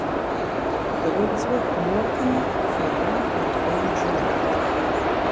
The rigs were "Morecambe Flame" and "Bay Driller".